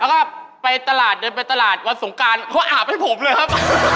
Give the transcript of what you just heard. แล้วก็ไปตลาดเดินไปตลาดวันสงการเขาอาบให้ผมเลยครับ